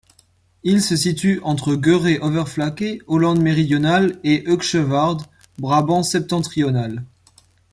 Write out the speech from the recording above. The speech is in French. Il se situe entre Goeree-Overflakkee, Hollande-Méridionale et Hoeksche Waard, Brabant-Septentrional.